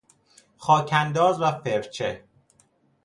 خاک انداز و فرچه